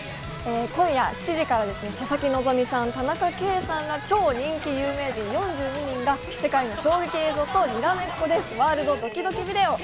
今夜７時から、佐々木希さん、田中圭さんらが超人気有名人４２人が、世界の衝撃映像とにらめっこです、ワールドドキドキビデオ。